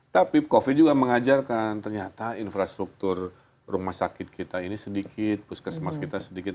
tapi covid juga mengajarkan ternyata infrastruktur rumah sakit kita ini sedikit puskesmas kita sedikit